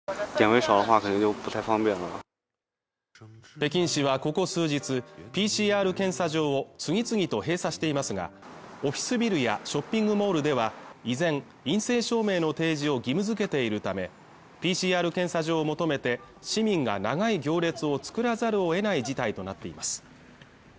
北京市はここ数日ＰＣＲ検査場を次々と閉鎖していますがオフィスビルやショッピングモールでは依然陰性証明の提示を義務付けているためＰＣＲ検査場を求めて市民が長い行列を作らざるを得ない事態となっています